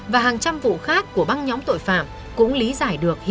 và hàng trăm vụ khác của băng nhóm tội phạm cũng lý giải được